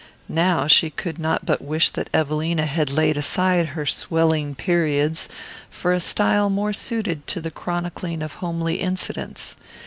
Now she could not but wish that Evelina had laid aside her swelling periods for a style more suited to the chronicling of homely incidents.